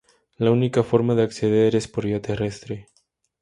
La única forma de acceder es por vía terrestre.